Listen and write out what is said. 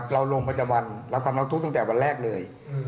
เราลงปัจจัยวันรับคำนักทุกข์ตั้งแต่วันแรกเลย